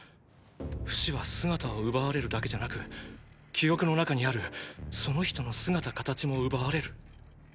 フシは姿を奪われるだけじゃなく記憶の中にあるその人の姿形も奪われる。